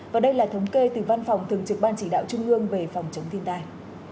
và đây là thống kê từ văn phòng thường trực ban chỉ đạo trung ương về phòng chống thiên tai